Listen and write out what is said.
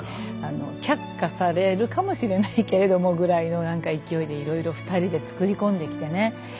却下されるかもしれないけれどもぐらいの勢いでいろいろ２人で作り込んできてね